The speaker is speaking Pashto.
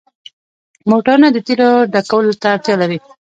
موټرونه د تیلو ډکولو ته اړتیا لري.